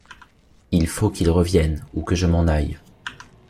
Il faut ou qu’il revienne, ou que je m’en aille.